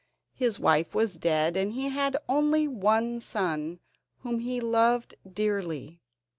His wife was dead, and he had only one son, whom he loved dearly.